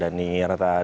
dan selalu berhubungan